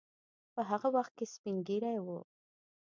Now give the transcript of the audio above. په هغه وخت کې سپین ږیری وو.